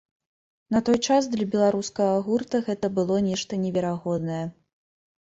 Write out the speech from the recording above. На той час для беларускага гурта гэта было нешта неверагоднае.